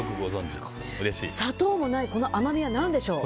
砂糖もないこの甘みはなんでしょう。